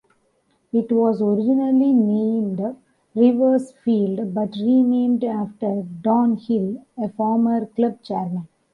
It was originally named Riversfield but renamed after Don Hill, a former club chairman.